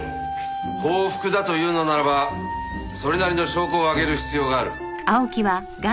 報復だというのならばそれなりの証拠を挙げる必要がある。